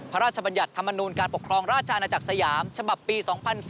พระราชบัญญัติธรรมนูลการปกครองราชอาณาจักรสยามฉบับปี๒๔๙